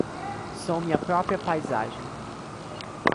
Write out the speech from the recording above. Sou minha própria paisagem;